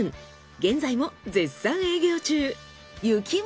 現在も絶賛営業中幸森。